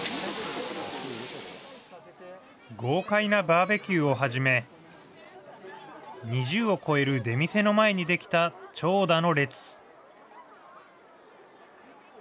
豪快なバーベキューをはじめ、２０を超える出店の前に出来た長蛇の列。